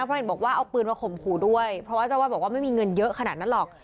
เพราะเห็นบอกว่าเอาปืนมาข่มขู่ด้วยเพราะว่าเจ้าวาดบอกว่าไม่มีเงินเยอะขนาดนั้นหรอก